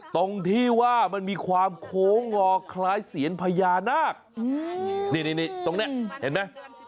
ตรงที่ว่ามันมีความโค้งงอคล้ายเสียนพญานาคนี่ตรงนี้เห็นไหม